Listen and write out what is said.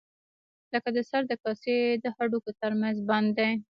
لکه د سر د کاسې د هډوکو تر منځ بند دی.